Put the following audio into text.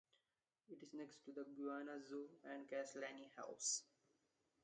It is next to the Guyana Zoo and Castellani House.